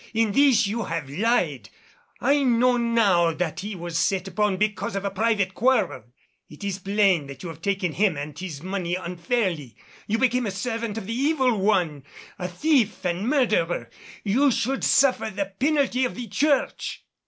In this you have lied, I know now that he was set upon because of a private quarrel. It is plain you have taken him and his money unfairly. You become a servant of the Evil One, a thief and murderer, and should suffer the penalty of the Church."